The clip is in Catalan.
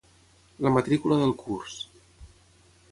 La matrícula del curs...